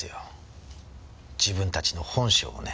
自分たちの本性をね。